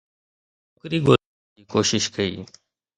مون هڪ نوڪري ڳولڻ جي ڪوشش ڪئي.